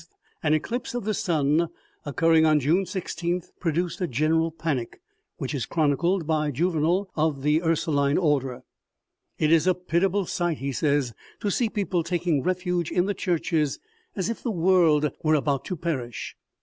an eclipse of the sun, occurring on June i6th, produced a general panic, which is chronicled by Juvenal of the Ursuline Order :" It is a pitiable sight," he says, " to see people taking refuge in the churches as if the world were 10 OMEGA . about to perish."